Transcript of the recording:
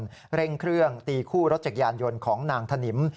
เร่งเครื่องตีคู่รถจักรยานยนต์ของนางถนิม